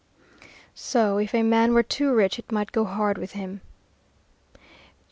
So, if a man were too rich it might go hard with him.